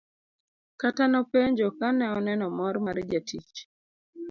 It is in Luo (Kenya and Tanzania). Kata nopenjo kane oneno mor mar jatich.